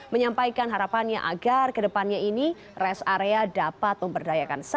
menyampaikan harapannya agar ke depannya ini res area dapat memperdayakan sampah